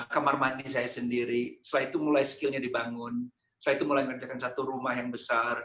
kamar mandi saya sendiri setelah itu mulai skillnya dibangun setelah itu mulai ngerjakan satu rumah yang besar